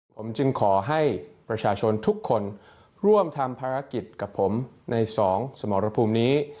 ผมจึงขอให้ประชาชนทุกคนร่วมทำภารกิจกับผมในสองสมรภูมินี้